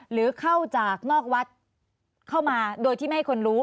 หรือเข้าจากนอกวัดเข้ามาโดยที่ไม่ให้คนรู้